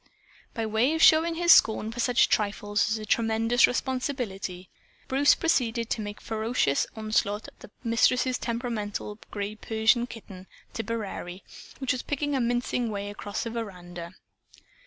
By way of showing his scorn for such trifles as a "tremendous responsibility," Bruce proceeded to make a ferocious onslaught at the Mistress's temperamental gray Persian kitten, "Tipperary," which was picking a mincing way across the veranda.